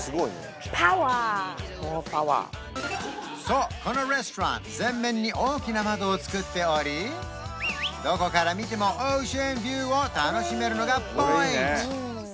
そうこのレストラン全面に大きな窓をつくっておりどこから見てもオーシャンビューを楽しめるのがポイント